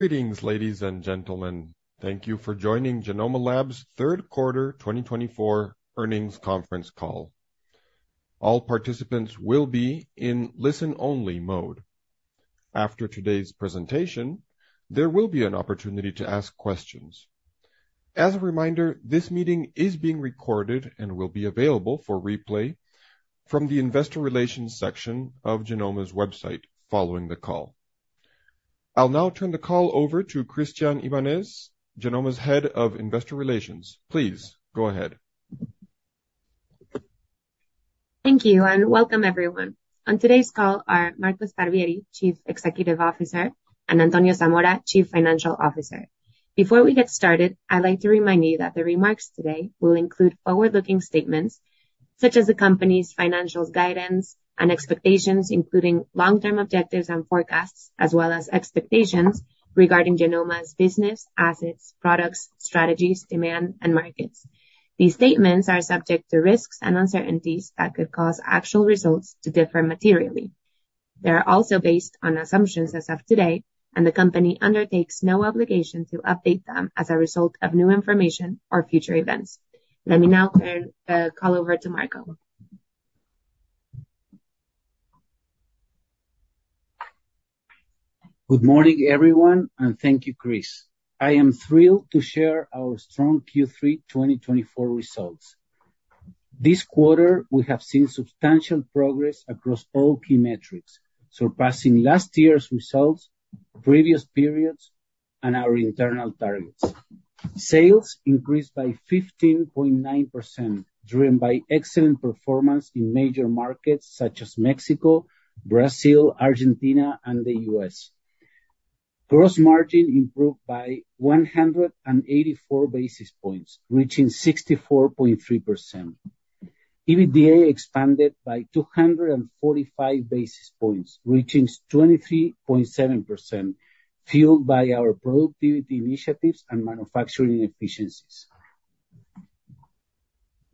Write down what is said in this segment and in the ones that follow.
Greetings, ladies and gentlemen. Thank you for joining Genomma Lab's third quarter twenty twenty-four earnings conference call. All participants will be in listen-only mode. After today's presentation, there will be an opportunity to ask questions. As a reminder, this meeting is being recorded and will be available for replay from the Investor Relations section of Genomma's website following the call. I'll now turn the call over to Christianne Ibanez, Genomma's Head of Investor Relations. Please go ahead. Thank you, and welcome everyone. On today's call are Marco Barbieri, Chief Executive Officer, and Antonio Zamora, Chief Financial Officer. Before we get started, I'd like to remind you that the remarks today will include forward-looking statements such as the company's financials, guidance, and expectations, including long-term objectives and forecasts, as well as expectations regarding Genomma's business, assets, products, strategies, demand, and markets. These statements are subject to risks and uncertainties that could cause actual results to differ materially. They are also based on assumptions as of today, and the company undertakes no obligation to update them as a result of new information or future events. Let me now turn the call over to Marco. Good morning, everyone, and thank you, Chris. I am thrilled to share our strong Q3 2024 results. This quarter, we have seen substantial progress across all key metrics, surpassing last year's results, previous periods, and our internal targets. Sales increased by 15.9%, driven by excellent performance in major markets such as Mexico, Brazil, Argentina, and the US. Gross margin improved by 184 basis points, reaching 64.3%. EBITDA expanded by 245 basis points, reaching 23.7%, fueled by our productivity initiatives and manufacturing efficiencies.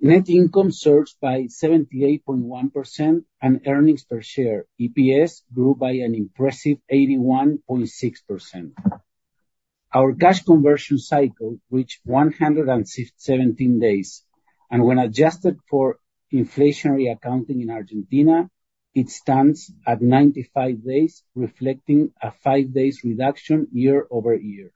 Net income surged by 78.1%, and earnings per share, EPS, grew by an impressive 81.6%. Our cash conversion cycle reached one hundred and seventeen days, and when adjusted for inflationary accounting in Argentina, it stands at ninety-five days, reflecting a five days reduction year over year.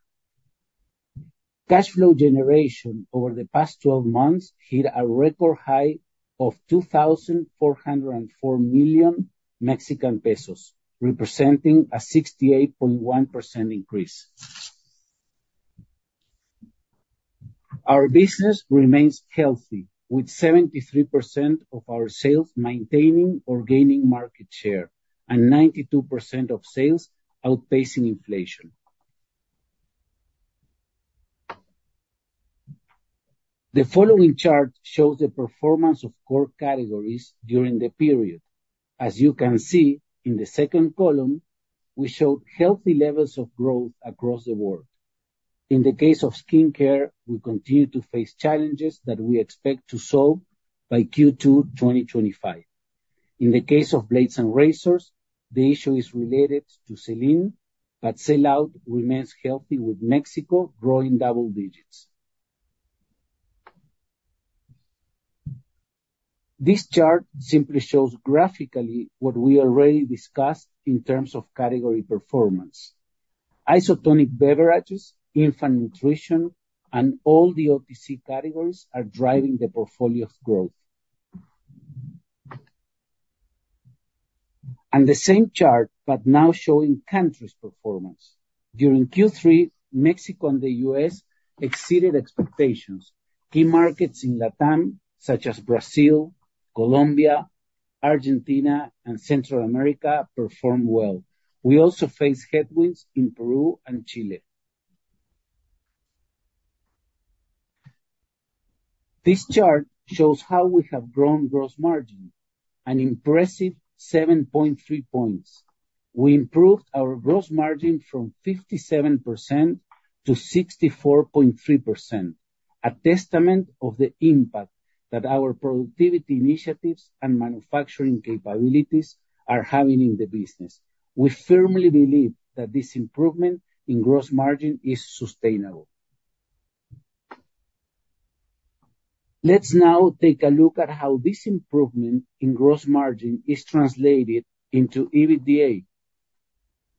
Cash flow generation over the past twelve months hit a record high of 2,404 million MXN, representing a 68.1% increase. Our business remains healthy, with 73% of our sales maintaining or gaining market share and 92% of sales outpacing inflation. The following chart shows the performance of core categories during the period. As you can see in the second column, we showed healthy levels of growth across the board. In the case of skincare, we continue to face challenges that we expect to solve by Q2 2025. In the case of blades and razors, the issue is related to sell-in, but sellout remains healthy, with Mexico growing double digits. This chart simply shows graphically what we already discussed in terms of category performance. Isotonic beverages, infant nutrition, and all the OTC categories are driving the portfolio's growth, and the same chart, but now showing countries' performance. During Q3, Mexico and the US exceeded expectations. Key markets in Latin America, such as Brazil, Colombia, Argentina, and Central America, performed well. We also faced headwinds in Peru and Chile. This chart shows how we have grown gross margin, an impressive 7.3 points. We improved our gross margin from 57% to 64.3%, a testament of the impact that our productivity initiatives and manufacturing capabilities are having in the business. We firmly believe that this improvement in gross margin is sustainable. Let's now take a look at how this improvement in gross margin is translated into EBITDA.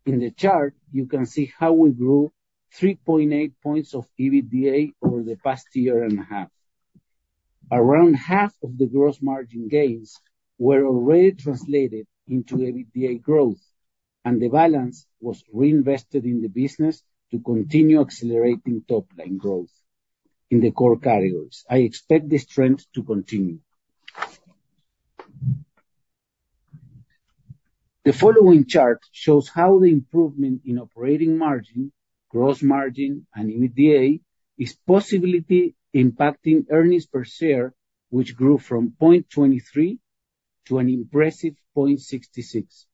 In the chart, you can see how we grew 3.8 points of EBITDA over the past year and a half. Around half of the gross margin gains were already translated into EBITDA growth, and the balance was reinvested in the business to continue accelerating top-line growth in the core carriers. I expect this trend to continue. The following chart shows how the improvement in operating margin, gross margin, and EBITDA is possibly impacting earnings per share, which grew from 0.23 to an impressive 0.66.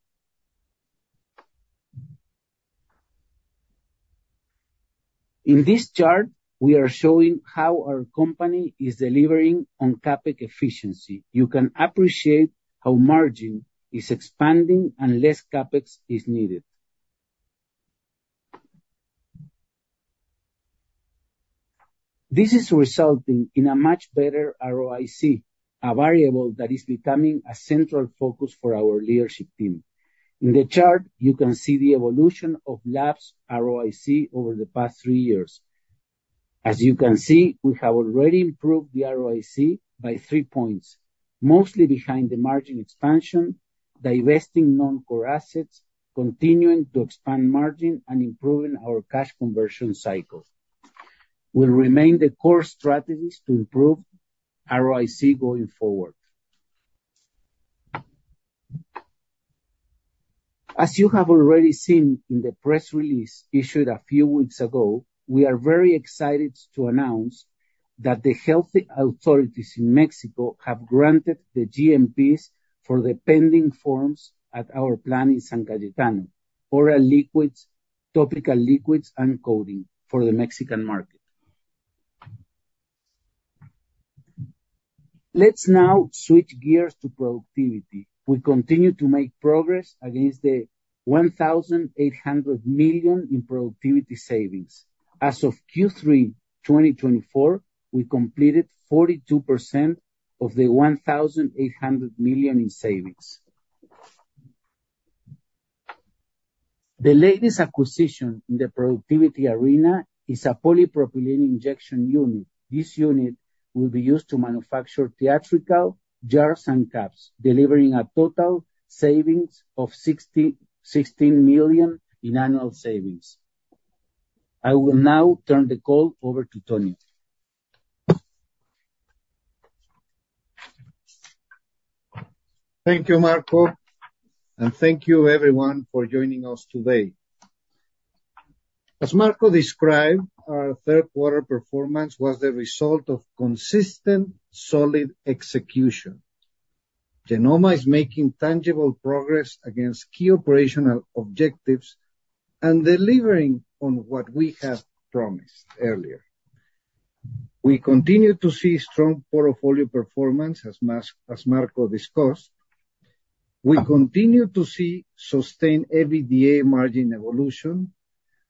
In this chart, we are showing how our company is delivering on CapEx efficiency. You can appreciate how margin is expanding and less CapEx is needed. This is resulting in a much better ROIC, a variable that is becoming a central focus for our leadership team. In the chart, you can see the evolution of Genomma Lab's ROIC over the past three years. As you can see, we have already improved the ROIC by three points, mostly behind the margin expansion, divesting non-core assets, continuing to expand margin, and improving our cash conversion cycle. Will remain the core strategies to improve ROIC going forward. As you have already seen in the press release issued a few weeks ago, we are very excited to announce that the health authorities in Mexico have granted the GMPs for the pending forms at our plant in San Cayetano, oral liquids, topical liquids, and coating for the Mexican market. Let's now switch gears to productivity. We continue to make progress against the 1,800 million in productivity savings. As of Q3 2024, we completed 42% of the 1,800 million in savings. The latest acquisition in the productivity arena is a polypropylene injection unit. This unit will be used to manufacture plastic jars and caps, delivering a total savings of 66 million in annual savings. I will now turn the call over to Tony. Thank you, Marco, and thank you everyone for joining us today. As Marco described, our third quarter performance was the result of consistent, solid execution. Genomma is making tangible progress against key operational objectives and delivering on what we have promised earlier. We continue to see strong portfolio performance as as Marco discussed. We continue to see sustained EBITDA margin evolution,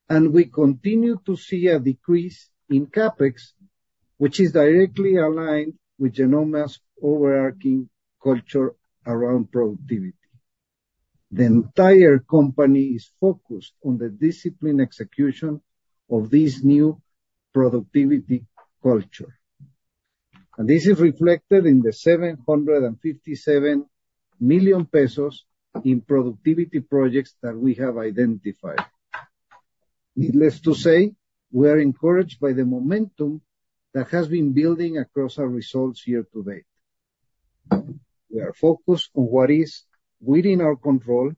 and we continue to see a decrease in CapEx, which is directly aligned with Genomma's overarching culture around productivity. The entire company is focused on the disciplined execution of this new productivity culture, and this is reflected in 757 million pesos in productivity projects that we have identified. Needless to say, we are encouraged by the momentum that has been building across our results year-to-date. We are focused on what is within our control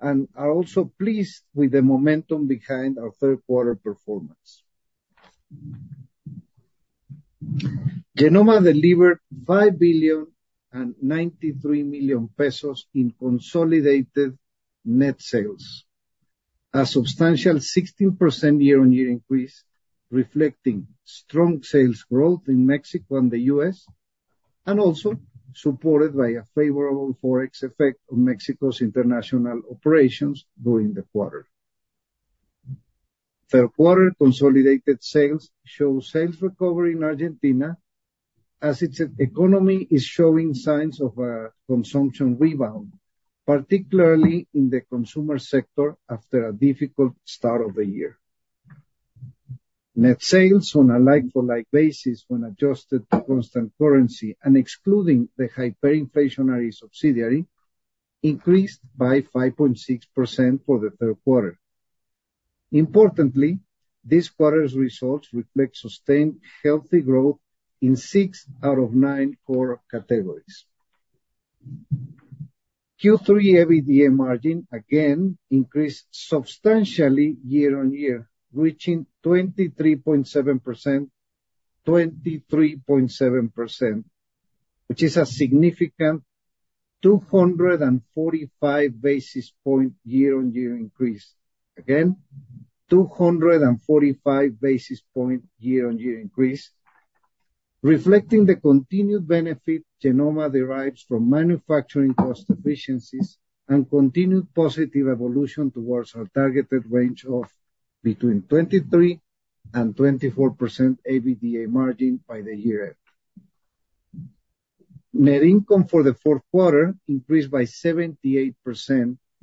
and are also pleased with the momentum behind our third quarter performance. Genomma delivered 5.093 billion in consolidated net sales, a substantial 16% year-on-year increase, reflecting strong sales growth in Mexico and the US, and also supported by a favorable Forex effect on Mexico's international operations during the quarter. Third quarter consolidated sales show sales recovery in Argentina, as its economy is showing signs of a consumption rebound, particularly in the consumer sector, after a difficult start of the year. Net sales on a like-for-like basis, when adjusted to constant currency and excluding the hyperinflationary subsidiary, increased by 5.6% for the third quarter. Importantly, this quarter's results reflect sustained healthy growth in six out of nine core categories. Q3 EBITDA margin again increased substantially year-on-year, reaching 23.7%, 23.7%, which is a significant 245 basis point year-on-year increase. Again, 245 basis point year-on-year increase, reflecting the continued benefit Genomma derives from manufacturing cost efficiencies and continued positive evolution towards our targeted range of between 23% and 24% EBITDA margin by the year end. Net income for the fourth quarter increased by 78%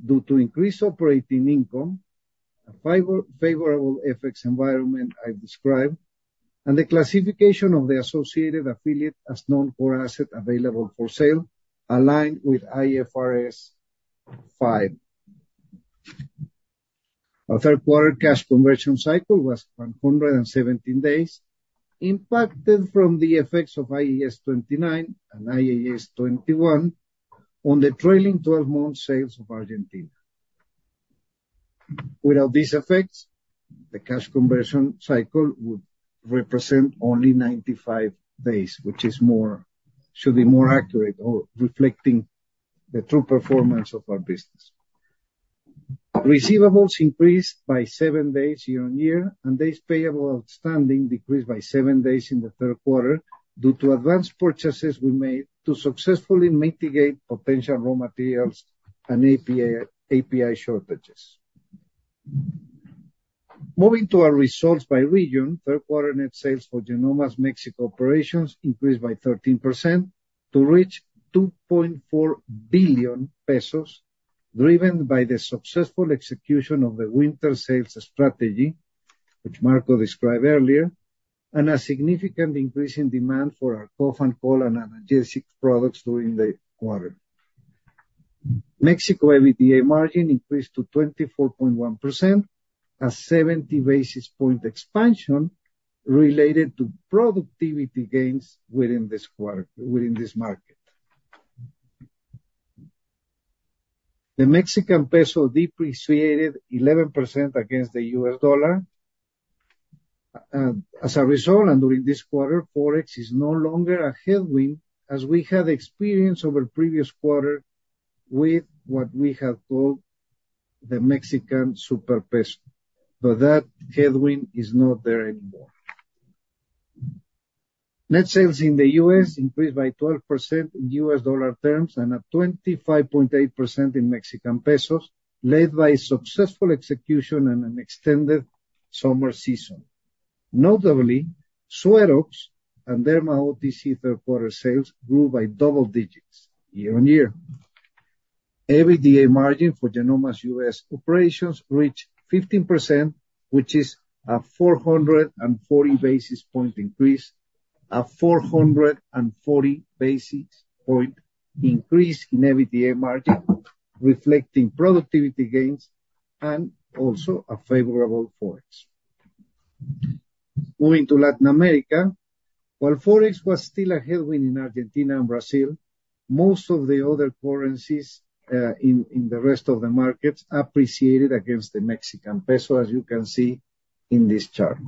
due to increased operating income, a favorable FX environment I've described, and the classification of the associated affiliate as non-core asset available for sale, aligned with IFRS 5. Our third quarter cash conversion cycle was 117 days, impacted from the effects of IAS 29 and IAS 21 on the trailing twelve-month sales of Argentina. Without these effects, the cash conversion cycle would represent only 95 days, which is more... should be more accurate or reflecting the true performance of our business. Receivables increased by seven days year-on-year, and days payable outstanding decreased by seven days in the third quarter due to advanced purchases we made to successfully mitigate potential raw materials and API shortages. Moving to our results by region, third quarter net sales for Genomma's Mexico operations increased by 13% to reach 2.4 billion pesos, driven by the successful execution of the winter sales strategy, which Marco described earlier, and a significant increase in demand for our cough and cold and analgesic products during the quarter. Mexico EBITDA margin increased to 24.1%, a seventy basis points expansion related to productivity gains within this quarter, within this market. The Mexican peso depreciated 11% against the US dollar. As a result, and during this quarter, Forex is no longer a headwind, as we have experienced over previous quarter with what we have called the Mexican super peso, but that headwind is not there anymore. Net sales in the US increased by 12% in US dollar terms, and at 25.8% in Mexican pesos, led by successful execution and an extended summer season. Notably, SueroX and derma OTC third quarter sales grew by double digits year-on-year. EBITDA margin for Genomma's US operations reached 15%, which is a 440 basis point increase, a 440 basis point increase in EBITDA margin, reflecting productivity gains and also a favorable Forex. Moving to Latin America, while Forex was still a headwind in Argentina and Brazil, most of the other currencies, in the rest of the markets appreciated against the Mexican peso, as you can see in this chart.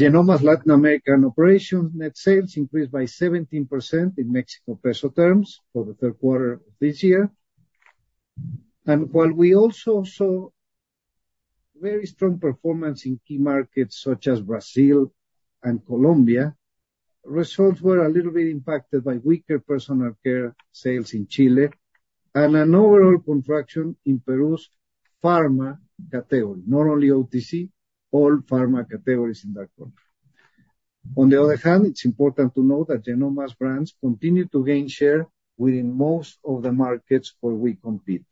Genomma's Latin American operations net sales increased by 17% in Mexican peso terms for the third quarter of this year. While we also saw very strong performance in key markets such as Brazil and Colombia, results were a little bit impacted by weaker personal care sales in Chile and an overall contraction in Peru's pharma category, not only OTC, all pharma categories in that country. On the other hand, it's important to note that Genomma's brands continue to gain share within most of the markets where we compete.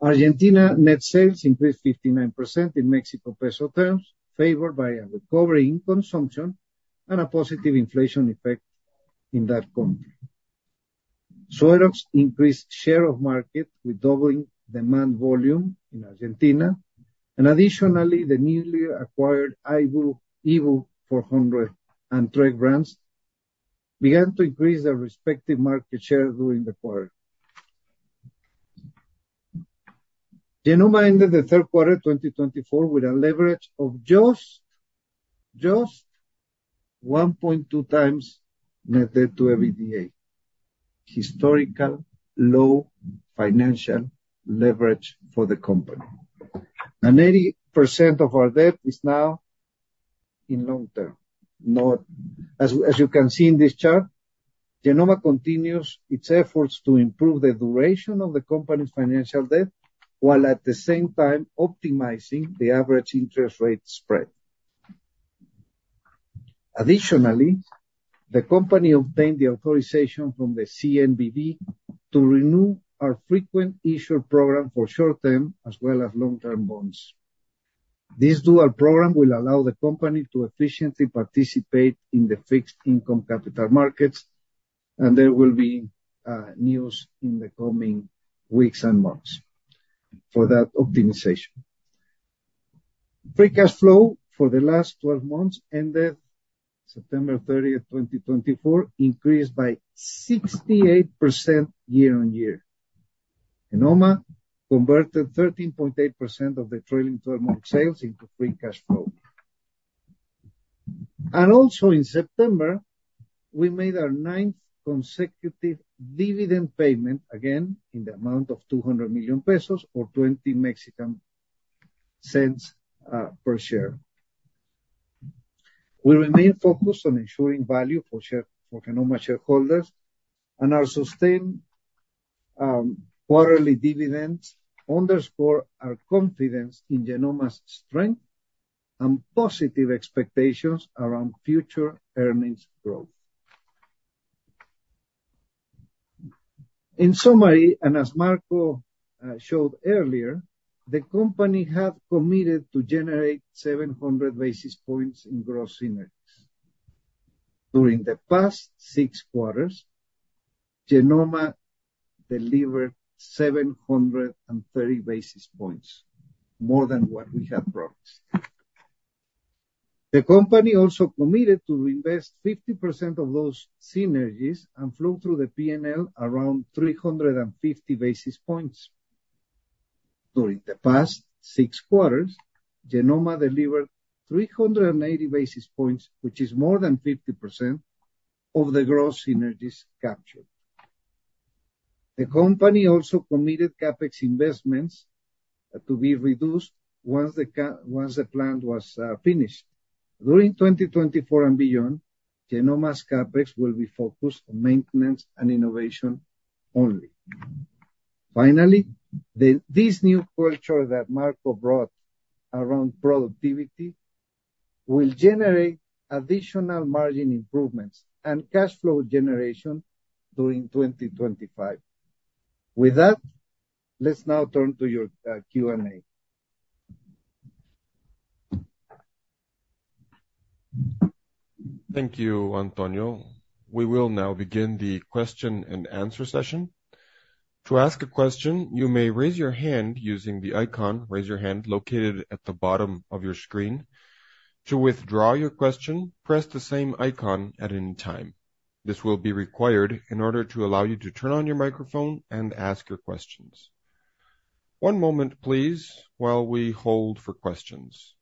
Argentina net sales increased 59% in Mexican peso terms, favored by a recovery in consumption and a positive inflation effect in that country. SueroX increased share of market with doubling demand volume in Argentina, and additionally, the newly acquired Ibu 400 and Tecka brand began to increase their respective market share during the quarter. Genomma ended the third quarter, 2024, with a leverage of just one point two times net debt to EBITDA, historical low financial leverage for the company. Eighty percent of our debt is now in long term. Now, as you can see in this chart, Genomma continues its efforts to improve the duration of the company's financial debt, while at the same time optimizing the average interest rate spread. Additionally, the company obtained the authorization from the CNBV to renew our frequent issuer program for short-term as well as long-term bonds. This dual program will allow the company to efficiently participate in the fixed income capital markets, and there will be news in the coming weeks and months for that optimization. Free cash flow for the last twelve months, ended September thirtieth, 2024, increased by 68% year on year. Genomma converted 13.8% of the trailing twelve-month sales into free cash flow. Also in September, we made our ninth consecutive dividend payment, again, in the amount of 200 million pesos or 0.20 per share. We remain focused on ensuring value for share, for Genomma shareholders, and our sustained quarterly dividends underscore our confidence in Genomma's strength and positive expectations around future earnings growth. In summary, and as Marco showed earlier, the company have committed to generate 700 basis points in gross synergies. During the past six quarters, Genomma delivered 730 basis points, more than what we had promised. The company also committed to reinvest 50% of those synergies and flow through the P&L around 350 basis points.... During the past six quarters, Genomma delivered three hundred and eighty basis points, which is more than 50% of the gross synergies captured. The company also committed CapEx investments to be reduced once the plant was finished. During twenty twenty-four and beyond, Genomma's CapEx will be focused on maintenance and innovation only. Finally, this new culture that Marco brought around productivity will generate additional margin improvements and cash flow generation during twenty twenty-five. With that, let's now turn to your Q&A. Thank you, Antonio. We will now begin the question and answer session. To ask a question, you may raise your hand using the icon, Raise Your Hand, located at the bottom of your screen. To withdraw your question, press the same icon at any time. This will be required in order to allow you to turn on your microphone and ask your questions. One moment, please, while we hold for questions.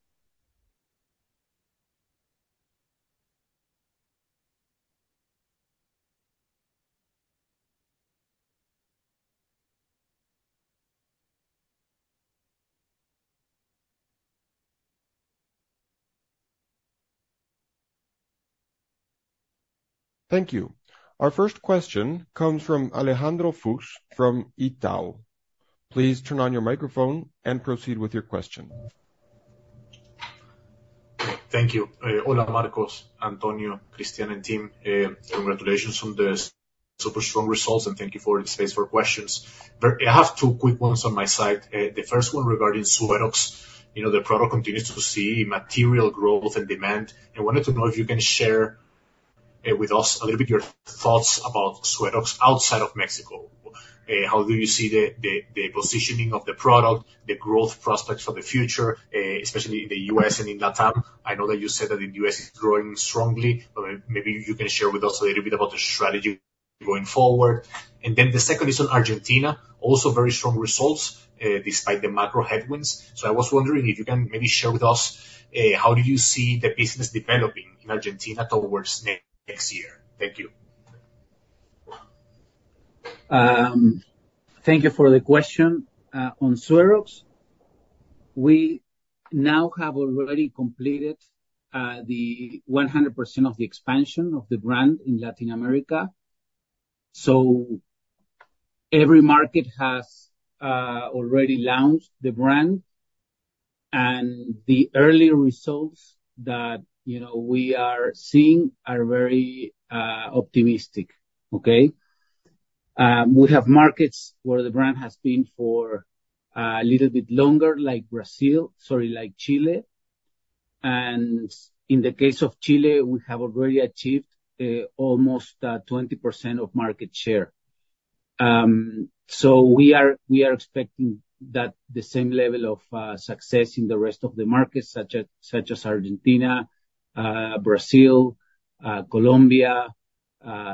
Thank you. Our first question comes from Alejandro Fuchs from Itaú. Please turn on your microphone and proceed with your question. Thank you. Hola, Marco, Antonio, Christian, and team. Congratulations on this super strong results, and thank you for the space for questions. I have two quick ones on my side. The first one regarding SueroX. You know, the product continues to see material growth and demand. I wanted to know if you can share with us a little bit your thoughts about SueroX outside of Mexico. How do you see the positioning of the product, the growth prospects for the future, especially in the US and in LATAM? I know that you said that the US is growing strongly, but maybe you can share with us a little bit about the strategy going forward. And then the second is on Argentina. Also, very strong results, despite the macro headwinds. So I was wondering if you can maybe share with us how do you see the business developing in Argentina towards next year? Thank you. Thank you for the question. On SueroX, we now have already completed 100% of the expansion of the brand in Latin America. So every market has already launched the brand, and the early results that, you know, we are seeing are very optimistic. Okay? We have markets where the brand has been for a little bit longer, like Brazil - sorry, like Chile, and in the case of Chile, we have already achieved almost 20% of market share. So we are expecting that the same level of success in the rest of the markets, such as Argentina, Brazil, Colombia,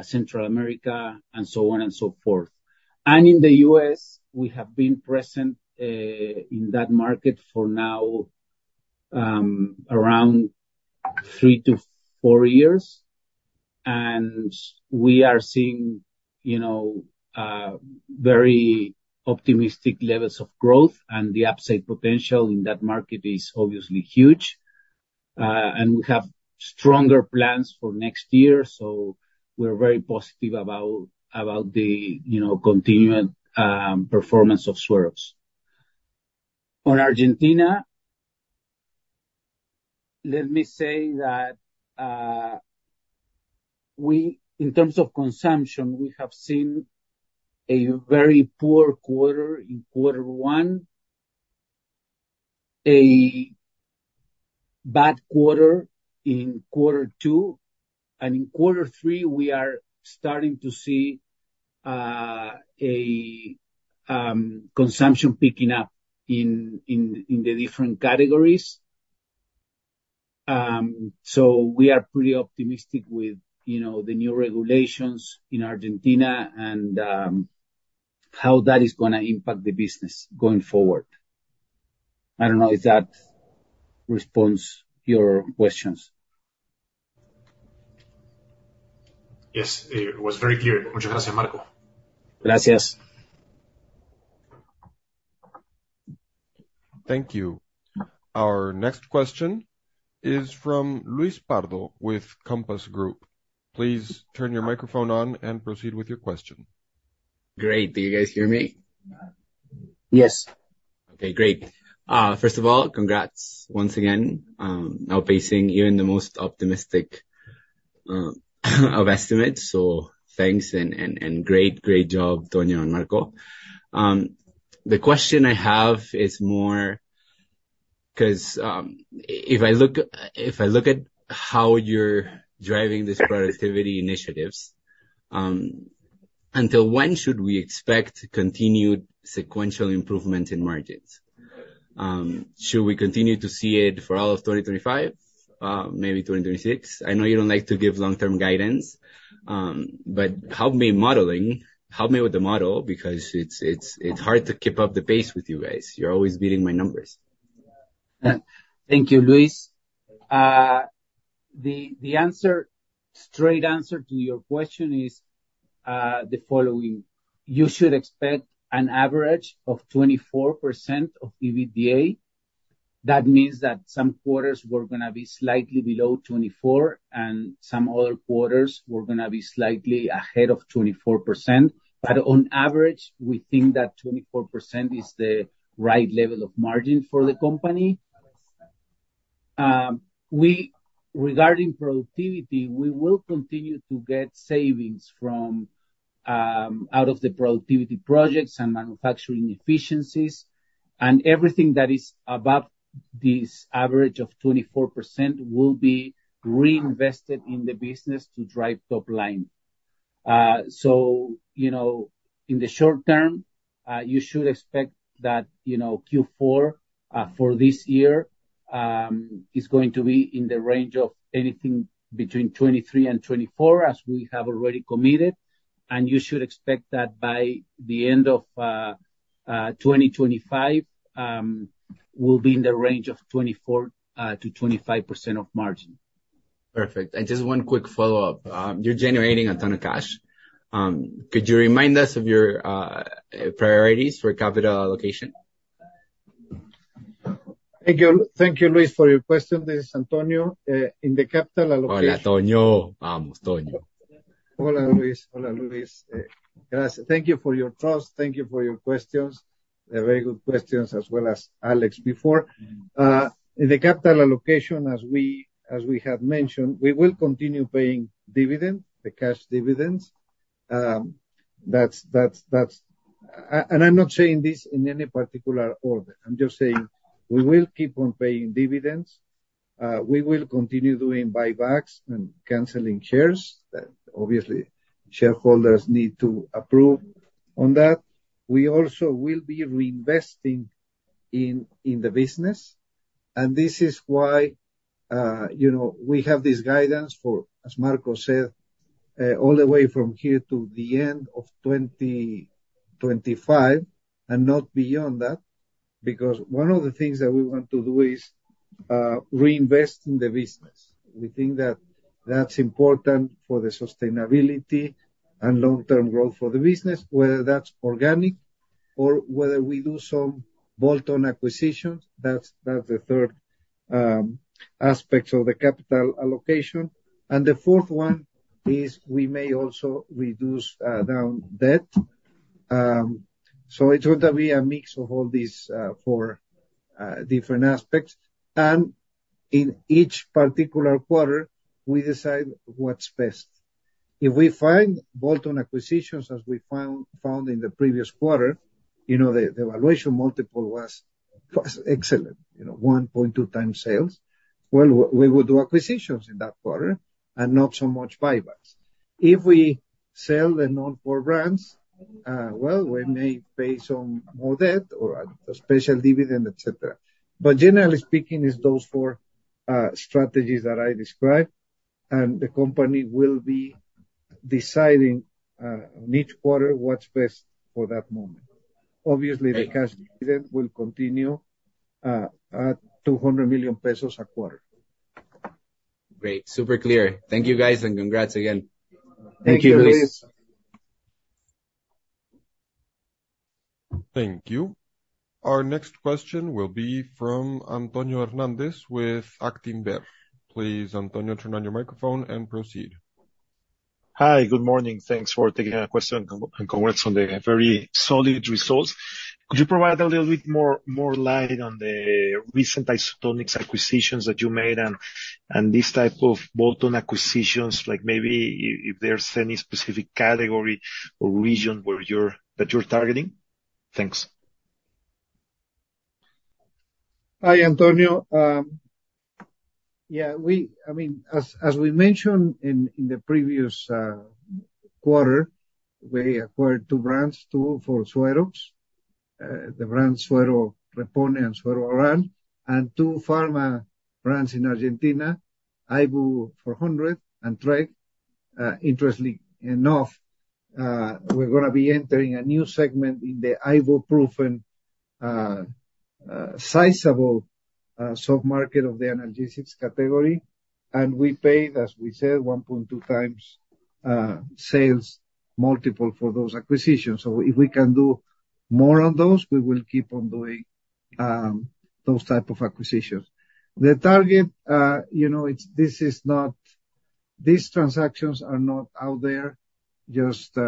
Central America, and so on and so forth. And in the US, we have been present in that market for now around three to four years. And we are seeing, you know, very optimistic levels of growth, and the upside potential in that market is obviously huge. And we have stronger plans for next year, so we're very positive about the, you know, continued performance of SueroX. On Argentina, let me say that. In terms of consumption, we have seen a very poor quarter in quarter one, a bad quarter in quarter two, and in quarter three, we are starting to see a consumption picking up in the different categories. So we are pretty optimistic with, you know, the new regulations in Argentina and how that is gonna impact the business going forward. I don't know if that responds your questions. Yes, it was very clear. Muchas gracias, Marco. Gracias. Thank you. Our next question is from Luis Pardo with Compass Group. Please turn your microphone on and proceed with your question. Great. Do you guys hear me? Yes. Okay, great. First of all, congrats once again, outpacing even the most optimistic of estimates. So thanks and great job, Antonio and Marco. The question I have is more 'cause if I look at how you're driving this productivity initiatives, until when should we expect continued sequential improvement in margins? Should we continue to see it for all of twenty twenty-five? Maybe twenty thirty-six? I know you don't like to give long-term guidance, but help me modeling, help me with the model, because it's hard to keep up the pace with you guys. You're always beating my numbers. Thank you, Luis. The answer, straight answer to your question is the following: You should expect an average of 24% of EBITDA. That means that some quarters we're gonna be slightly below 24%, and some other quarters we're gonna be slightly ahead of 24%. But on average, we think that 24% is the right level of margin for the company. Regarding productivity, we will continue to get savings from out of the productivity projects and manufacturing efficiencies, and everything that is above this average of 24% will be reinvested in the business to drive top line. So, you know, in the short term, you should expect that, you know, Q4 for this year is going to be in the range of anything between 23% and 24%, as we have already committed, and you should expect that by the end of 2025, we'll be in the range of 24% to 25% of margin. Perfect. And just one quick follow-up. You're generating a ton of cash. Could you remind us of your priorities for capital allocation? Thank you, Luis, for your question. This is Antonio. In the capital allocation- Hola, Antonio. Vamos, Antonio. Hola, Luis. Hola, Luis, gracias. Thank you for your trust. Thank you for your questions. They're very good questions as well as Alex before. In the capital allocation, as we have mentioned, we will continue paying dividend, the cash dividends. That's, and I'm not saying this in any particular order, I'm just saying we will keep on paying dividends. We will continue doing buybacks and canceling shares, that obviously shareholders need to approve on that. We also will be reinvesting in the business, and this is why, you know, we have this guidance for, as Marco said, all the way from here to the end of 2025, and not beyond that, because one of the things that we want to do is reinvest in the business. We think that that's important for the sustainability and long-term growth for the business, whether that's organic or whether we do some bolt-on acquisitions. That's the third aspect of the capital allocation. The fourth one is we may also reduce down debt. It's gonna be a mix of all these four different aspects, and in each particular quarter, we decide what's best. If we find bolt-on acquisitions, as we found in the previous quarter, you know, the valuation multiple was excellent, you know, one point two times sales. We will do acquisitions in that quarter, and not so much buybacks. If we sell the non-core brands, well, we may pay some more debt or a special dividend, et cetera. But generally speaking, it's those four strategies that I described, and the company will be deciding in each quarter, what's best for that moment. Obviously, the cash dividend will continue at 200 million pesos a quarter. Great. Super clear. Thank you, guys, and congrats again. Thank you, Luis. Thank you, Luis. Thank you. Our next question will be from Antonio Hernandez with Actinver. Please, Antonio, turn on your microphone and proceed. Hi, good morning. Thanks for taking our question, and congrats on the very solid results. Could you provide a little bit more light on the recent isotonic acquisitions that you made and this type of bolt-on acquisitions, like maybe if there's any specific category or region that you're targeting? Thanks. Hi, Antonio. I mean, as we mentioned in the previous quarter, we acquired two brands, two for sueros, the brand Suero Repone and Suero Oral, and two pharma brands in Argentina, Ibu 400 and Tecka. Interestingly enough, we're gonna be entering a new segment in the ibuprofen, sizable, soft market of the analgesics category, and we paid, as we said, one point two times, sales multiple for those acquisitions. So if we can do more on those, we will keep on doing, those type of acquisitions. The target, you know, it's, this is not. These transactions are not out there, just,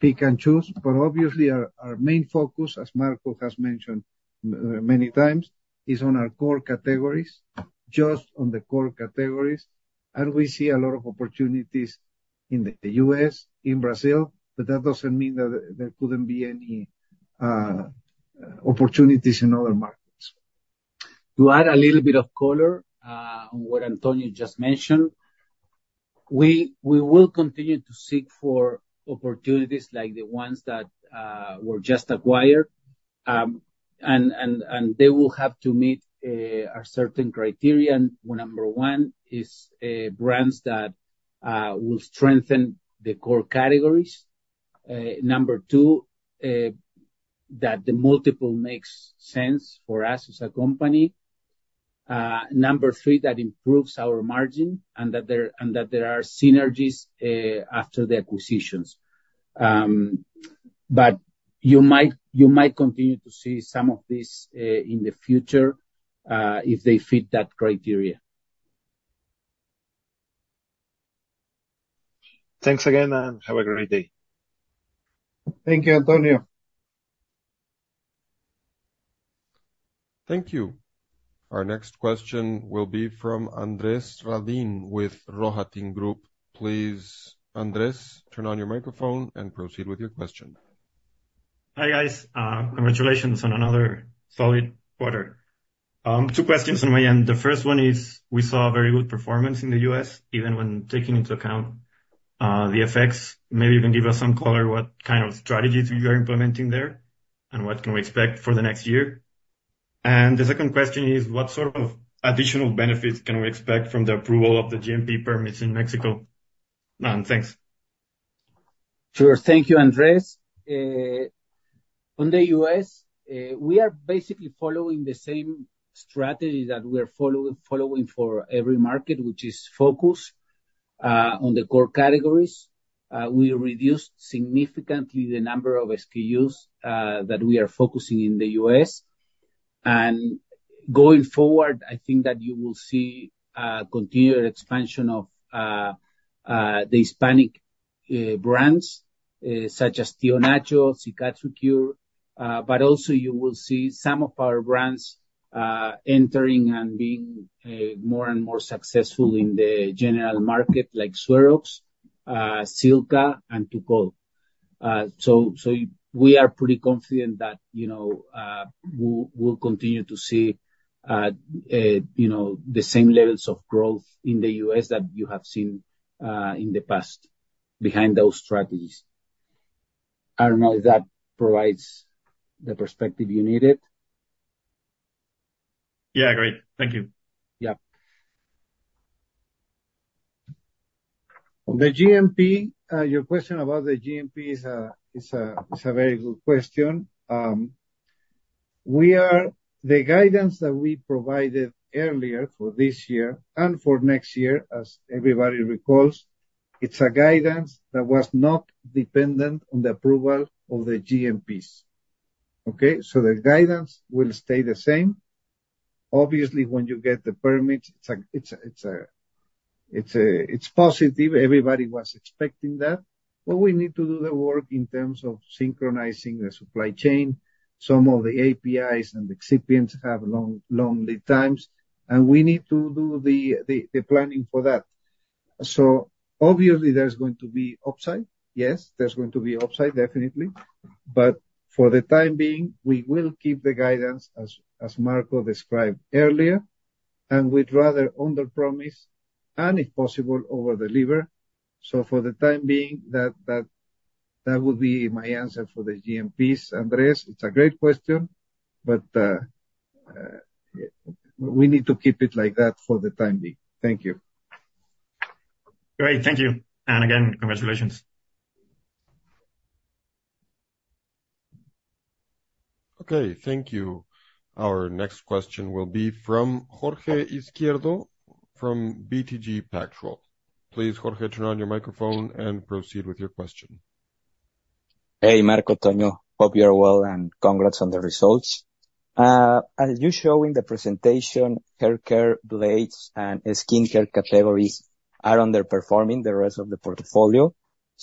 pick and choose. But obviously, our main focus, as Marco has mentioned many times, is on our core categories, just on the core categories, and we see a lot of opportunities in the US, in Brazil, but that doesn't mean that there couldn't be any opportunities in other markets. To add a little bit of color on what Antonio just mentioned. We will continue to seek for opportunities like the ones that were just acquired. They will have to meet a certain criteria. Number one is brands that will strengthen the core categories. Number two, that the multiple makes sense for us as a company. Number three, that improves our margin, and that there are synergies after the acquisitions, but you might continue to see some of this in the future if they fit that criteria. Thanks again, and have a great day. Thank you, Antonio. Thank you. Our next question will be from Andres Radin, with Rohatyn Group. Please, Andres, turn on your microphone and proceed with your question. Hi, guys. Congratulations on another solid quarter. Two questions on my end. The first one is: we saw a very good performance in the US, even when taking into account the effects. Maybe you can give us some color what kind of strategies you are implementing there, and what can we expect for the next year? And the second question is: what sort of additional benefits can we expect from the approval of the GMP permits in Mexico? And thanks. Sure. Thank you, Andres. On the U.S., we are basically following the same strategy that we're following for every market, which is focus on the core categories. We reduced significantly the number of SKUs that we are focusing in the U.S. Going forward, I think that you will see continued expansion of the Hispanic brands such as Tio Nacho, Cicatricure, but also you will see some of our brands entering and being more and more successful in the general market, like SueroX, Silka, and Tukol. So we are pretty confident that, you know, we'll continue to see, you know, the same levels of growth in the U.S. that you have seen in the past behind those strategies. I don't know if that provides the perspective you needed. Yeah, great. Thank you. Yeah. On the GMP, your question about the GMP is a very good question. We are... The guidance that we provided earlier for this year and for next year, as everybody recalls, it's a guidance that was not dependent on the approval of the GMPs, okay? So the guidance will stay the same. Obviously, when you get the permits, it's positive. Everybody was expecting that. But we need to do the work in terms of synchronizing the supply chain. Some of the APIs and excipients have long lead times, and we need to do the planning for that. So obviously, there's going to be upside. Yes, there's going to be upside, definitely. But for the time being, we will keep the guidance as Marco described earlier, and we'd rather underpromise and, if possible, overdeliver. So for the time being, that would be my answer for the GMPs, Andres. It's a great question, but we need to keep it like that for the time being. Thank you. Great. Thank you, and again, congratulations. Okay, thank you. Our next question will be from Jorge Izquierdo, from BTG Pactual. Please, Jorge, turn on your microphone and proceed with your question. Hey, Marco, Tonio, hope you are well, and congrats on the results. As you show in the presentation, haircare, blades, and skincare categories are underperforming the rest of the portfolio.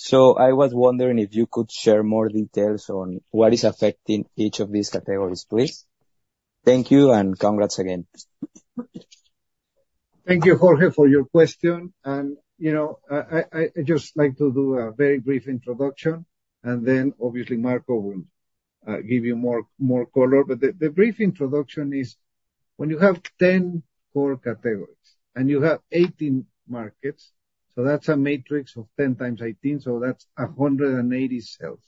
So I was wondering if you could share more details on what is affecting each of these categories, please. Thank you, and congrats again. Thank you, Jorge, for your question. You know, I'd just like to do a very brief introduction, and then obviously Marco will give you more color. But the brief introduction is, when you have 10 core categories, and you have 18 markets, so that's a matrix of 10 times 18, so that's 180 cells.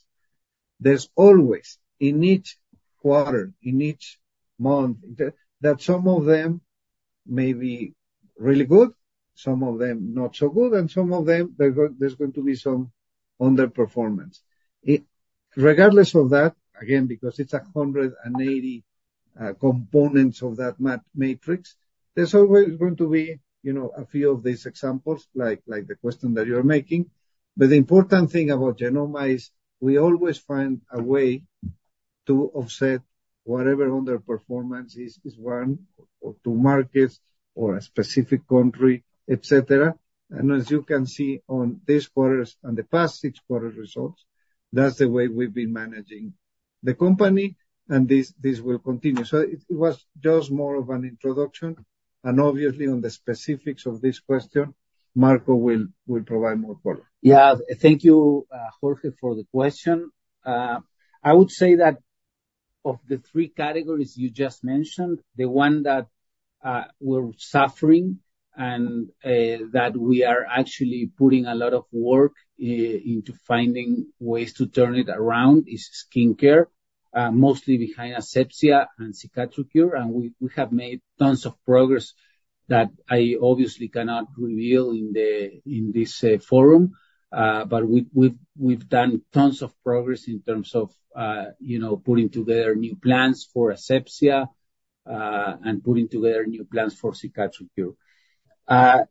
There's always, in each quarter, in each month, some of them may be really good, some of them not so good, and some of them, there's going to be some underperformance. Regardless of that, again, because it's 180 components of that matrix, there's always going to be, you know, a few of these examples, like the question that you are making. But the important thing about Genomma is, we always find a way to offset whatever underperformance is one or two markets or a specific country, et cetera. And as you can see on this quarter's and the past six quarters' results, that's the way we've been managing the company, and this will continue. So it was just more of an introduction, and obviously on the specifics of this question, Marco will provide more color. Yeah. Thank you, Jorge, for the question. I would say that of the three categories you just mentioned, the one that we're suffering, and that we are actually putting a lot of work into finding ways to turn it around, is skincare, mostly behind Asepxia and Cicatricure. And we have made tons of progress that I obviously cannot reveal in this forum, but we've done tons of progress in terms of you know putting together new plans for Asepxia and putting together new plans for Cicatricure.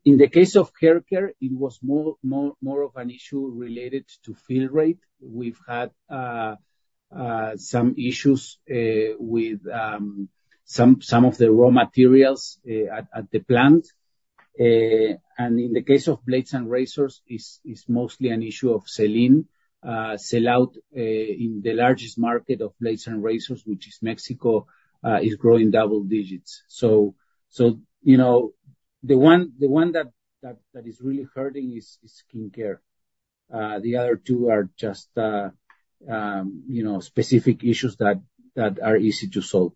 In the case of hair care, it was more of an issue related to fill rate. We've had some issues with some of the raw materials at the plant. And in the case of blades and razors, it's mostly an issue of selling. Sellout in the largest market of blades and razors, which is Mexico, is growing double digits. So, you know, the one that is really hurting is skincare. The other two are just, you know, specific issues that are easy to solve.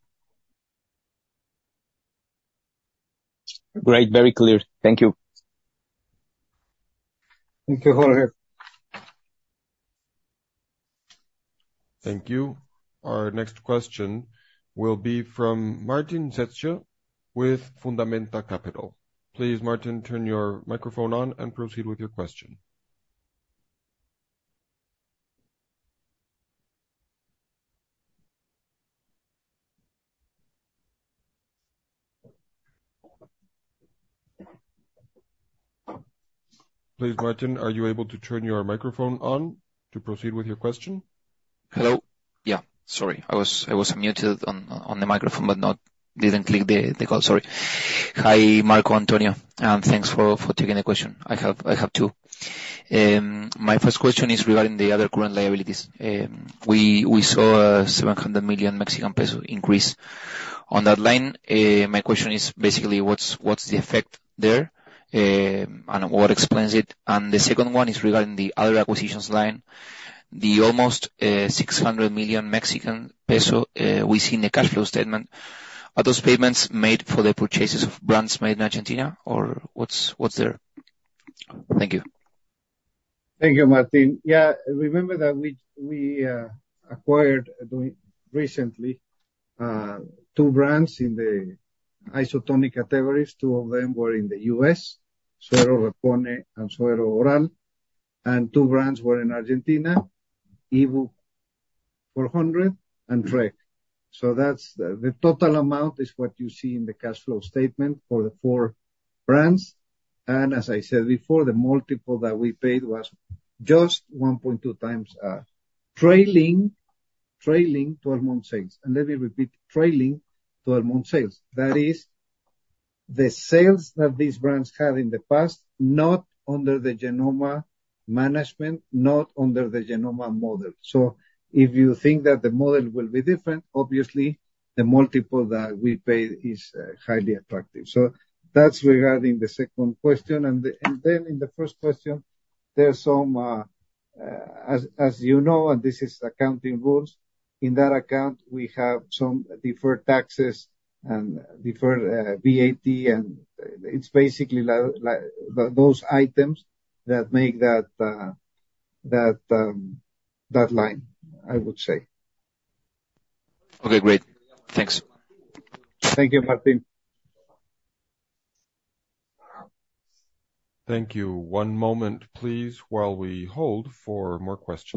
Great, very clear. Thank you. Thank you, Jorge. Thank you. Our next question will be from Martin Stechina with Fundamenta Capital. Please, Martin, turn your microphone on and proceed with your question. Please, Martin, are you able to turn your microphone on to proceed with your question? Hello? Yeah, sorry. I was muted on the microphone, but not. Didn't click the call. Sorry. Hi, Marco, Antonio, and thanks for taking the question. I have two. My first question is regarding the other current liabilities. We saw a 700 million Mexican peso increase. On that line, my question is basically what's the effect there, and what explains it? And the second one is regarding the other acquisitions line, the almost 600 million Mexican peso we see in the cash flow statement, are those payments made for the purchases of brands made in Argentina, or what's there? Thank you. Thank you, Martin. Yeah, remember that we acquired recently two brands in the isotonic categories. Two of them were in the US, Suero Repone and Suero Oral, and two brands were in Argentina, Ibu 400 and Tecka. So that's the total amount is what you see in the cash flow statement for the four brands, and as I said before, the multiple that we paid was just one point two times trailing, trailing twelve-month sales. And let me repeat, trailing twelve-month sales. That is the sales that these brands had in the past, not under the Genomma management, not under the Genomma model. So if you think that the model will be different, obviously the multiple that we paid is highly attractive. So that's regarding the second question. And then in the first question, there's some. As you know, and this is accounting rules, in that account, we have some deferred taxes and deferred VAT, and it's basically like those items that make that line, I would say. Okay, great. Thanks. Thank you, Martin. Thank you. One moment, please, while we hold for more questions.